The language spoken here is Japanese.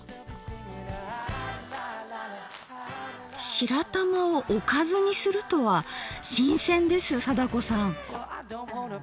白玉をおかずにするとは新鮮です貞子さん。